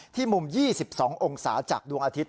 มุม๒๒องศาจากดวงอาทิตย